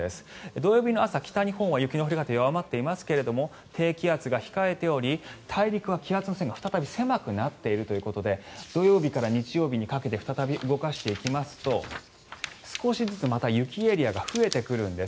土曜日の朝、北日本は雪の降り方弱まっていますけれど低気圧が控えており大陸は気圧の線が再び狭くなっているということで土曜日から日曜日にかけて再び動かしていきますと少しずつ、また雪エリアが増えてくるんです。